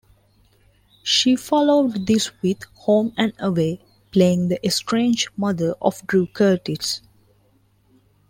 She followed this with "Home and Away", playing the estranged mother of Drew Curtis.